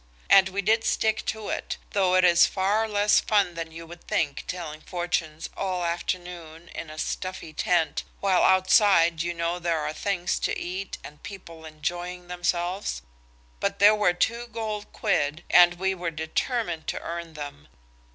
And we did stick to it, though it is far less fun than you would think telling fortunes all the afternoon in a stuffy tent, while outside you know there are things to eat and people enjoying themselves. But there were the two gold quid, and we were determined to earn them.